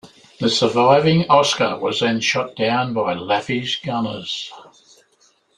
The surviving Oscar was then shot down by "Laffey"s gunners.